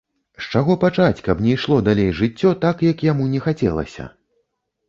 З чаго пачаць, каб не ішло далей жыццё так, як яму не хацелася?